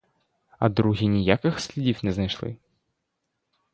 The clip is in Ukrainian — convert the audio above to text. А другі ніяких слідів не знайшли?